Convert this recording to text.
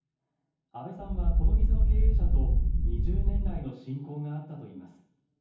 阿部さんはこの店の経営者と２０年来の親交があったといいます。